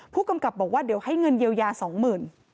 ผู้กำกับบอกว่าเดี๋ยวให้เงินเยียวยาสองหมื่น